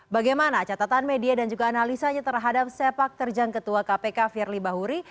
bagaimana catatan media dan juga analisanya terhadap sepak terjang ketua kpk firly bahuri